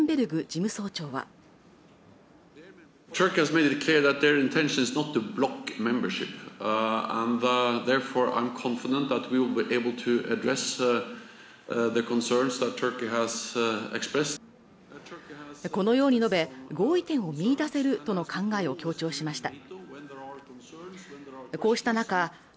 事務総長はこのように述べ合意点を見いだせるとの考えを強調しました